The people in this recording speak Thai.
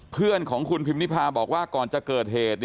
เพื่อนของคุณพิมนิพาบอกว่าก่อนจะเกิดเหตุ